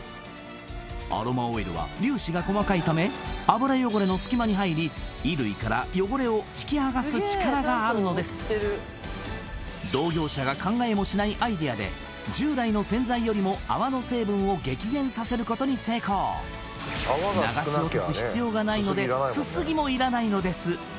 アロマオイルは粒子が細かいため油汚れの隙間に入り衣類から汚れを引きはがす力があるのです同業者が考えもしないアイデアで従来の洗剤よりも泡の成分を激減させることに成功流し落とす必要がないのですすぎもいらないのです